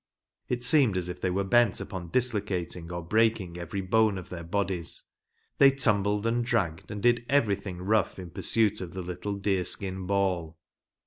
It seemed as if they wero bent upon dislocating or breaking every bone of their bodies ; they tumbled and dragged and did "^^ erything rough in pursuit of the little deer skin ball.